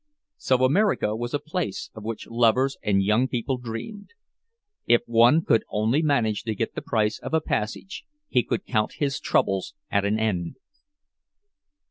So America was a place of which lovers and young people dreamed. If one could only manage to get the price of a passage, he could count his troubles at an end.